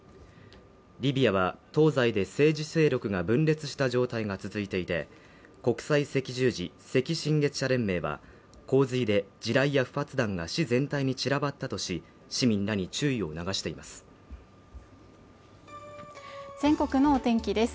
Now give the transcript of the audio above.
リビアは東西で政治勢力が分裂した状態が続いていて国際赤十字・赤新月社連盟は洪水で地雷や不発弾が市全体に散らばったとし市民に注意を促しています全国の天気です